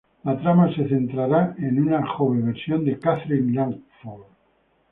La trama se centrara en una joven versión de Catherine Langford.